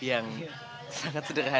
iya ini tidur dengan betul betul alasan